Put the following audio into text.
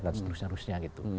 dan seterusnya seterusnya gitu